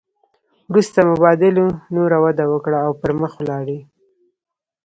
وروسته مبادلو نوره وده وکړه او پرمخ ولاړې